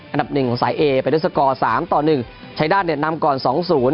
อันดับหนึ่งของสายเอไปด้วยสกอร์สามต่อหนึ่งชายด้านเนี่ยนำก่อนสองศูนย์